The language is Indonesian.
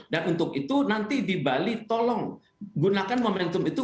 dan untuk itu nanti di bali tolong gunakan momentum itu